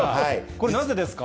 これ、なぜですか？